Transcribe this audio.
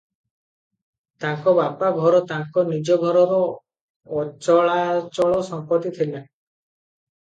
ତାଙ୍କ ବାପା ଘର ତାଙ୍କ ନିଜ ଘରର ଅଚଳାଚଳ ସମ୍ପତ୍ତି ଥିଲା ।